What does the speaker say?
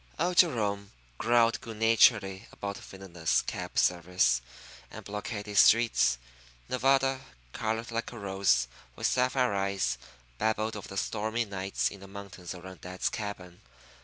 Old Jerome growled good naturedly about villainous cab service and blockaded streets. Nevada, colored like a rose, with sapphire eyes, babbled of the stormy nights in the mountains around dad's cabin.